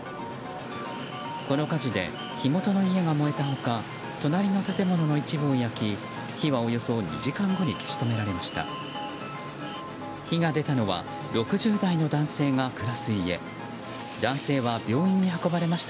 この火事で火元の家が燃えた他隣の建物の一部を焼き火はおよそ２時間後に消し止められました。